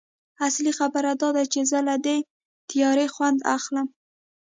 اصلي خبره دا ده چې زه له دې تیارې خوند اخلم